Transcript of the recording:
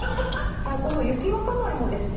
さあこの雪若丸もですね